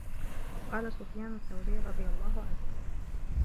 وَقَالَ سُفْيَانُ الثَّوْرِيُّ رَضِيَ اللَّهُ عَنْهُ